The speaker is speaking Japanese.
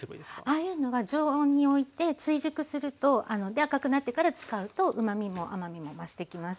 ああいうのは常温において追熟するとで赤くなってから使うとうまみも甘みも増していきます。